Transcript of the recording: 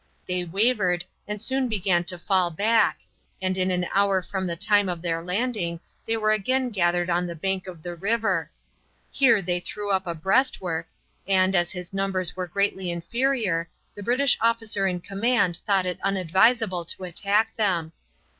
They wavered and soon began to fall back, and in an hour from the time of their landing they were again gathered on the bank of the river. Here they threw up a breastwork, and, as his numbers were greatly inferior, the British officer in command thought it unadvisable to attack them.